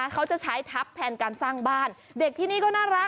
เขาจะใช้ทัพแทนการสร้างบ้านเด็กที่นี่ก็น่ารัก